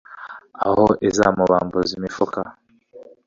aho izamubambuza imifuka